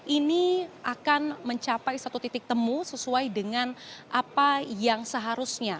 ini akan mencapai satu titik temu sesuai dengan apa yang seharusnya